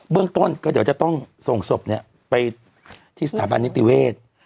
เรื่องต้นก็เดี๋ยวจะต้องส่งศพไปที่สถาบันนิติเวศ